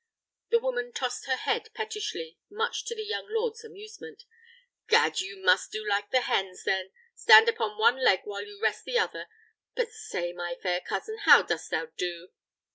(The woman tossed her head pettishly, much to the young lord's amusement.) "Gad! you must do like the hens, then: stand upon one leg while you rest the other. But say, my fair cousin, how dost thou do?"